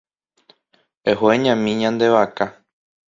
Eho eñami ñande vaka.